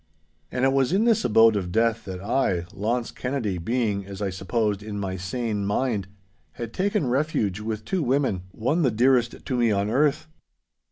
And it was in this abode of death that I, Launce Kennedy, being, as I supposed, in my sane mind, had taken refuge with two women, one the dearest to me on earth.